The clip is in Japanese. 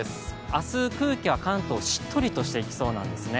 明日、空気は関東、しっとりとしていきそうなんですね。